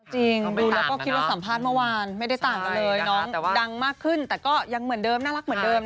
จริงดูแล้วก็คิดว่าสัมภาษณ์เมื่อวานไม่ได้ต่างกันเลยน้องดังมากขึ้นแต่ก็ยังเหมือนเดิมน่ารักเหมือนเดิม